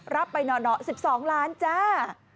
รับไปหน่อ๑๒ล้านจ้า